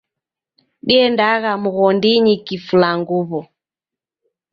Diendagha mghondinyi kifulanguwo